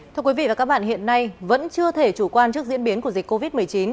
thưa quý vị và các bạn hiện nay vẫn chưa thể chủ quan trước diễn biến của dịch covid một mươi chín